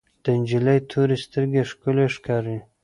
د انجلۍ تورې سترګې ښکلې ښکاري.